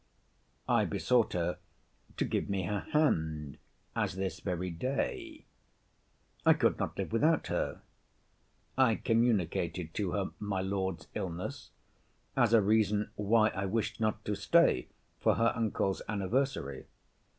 I besought her to give me her hand as this very day. I could not live without her. I communicated to her my Lord's illness, as a reason why I wished not to stay for her uncle's anniversary.